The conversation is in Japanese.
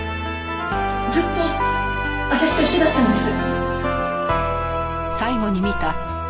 ずっと私と一緒だったんです。